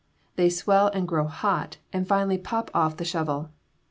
They swell and grow hot, and finally pop off the shovel.